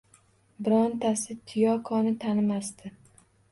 Birontasi Tiyokoni tanimasdi